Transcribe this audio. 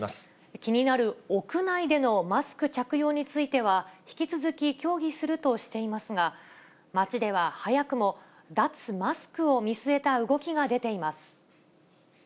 気になる屋内でのマスク着用については、引き続き協議するとしていますが、街では早くも脱マスクを見据えた動きが出ています。